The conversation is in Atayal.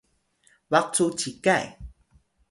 baq cu cikay